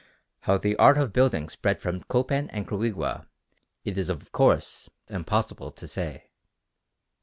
How the art of building spread from Copan and Quirigua it is of course impossible to say.